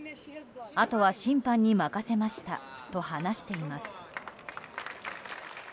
あとは審判に任せましたと話しています。